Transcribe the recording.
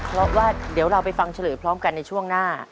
เพราะว่าเดี๋ยวเราไปฟังเฉลยพร้อมกันในช่วงหน้า